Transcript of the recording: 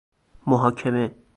محاکمه